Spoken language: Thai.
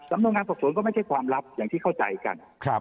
สำนวนงานสอบสวนก็ไม่ใช่ความลับอย่างที่เข้าใจกัน